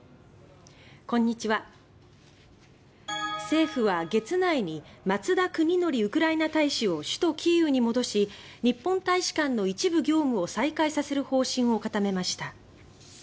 政府は月内に松田邦紀ウクライナ大使を首都キーウに戻し日本大使館の一部業務を再開させる方針を固めました。